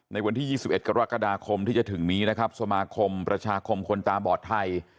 ในวันที่๒๑กรกฎาคมที่จะถึงนี้นะครับสมาคมประชาคมคนตาบอดไทย